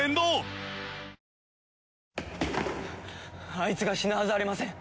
アイツが死ぬはずありません！